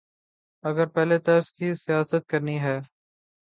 اگر پہلے طرز کی سیاست کرنی ہے۔